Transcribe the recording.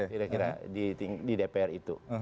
kira kira di dpr itu